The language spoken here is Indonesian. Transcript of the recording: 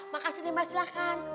makasih mbak silahkan